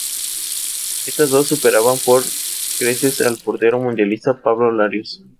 Estos dos, superaban por creces al portero mundialista Pablo Larios.